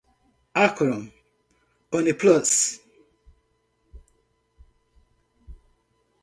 Acron, One Plus